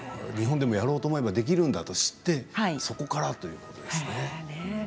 日本でもやろうと思えばできるんだと知ってそこからということですね。